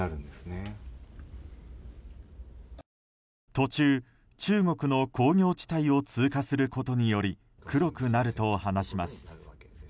途中、中国の工業地帯を通過することにより黒くなると話します。